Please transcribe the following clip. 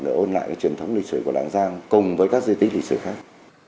để ôn lại cái truyền thống lịch sử của làng giang cùng với các di tích lịch sử khác